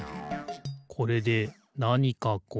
これでなにかこう？